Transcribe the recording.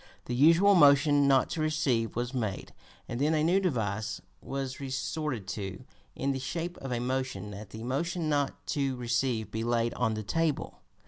The usual motion not to receive was made, and then a new device was resorted to in the shape of a motion that the motion not to receive be laid on the table.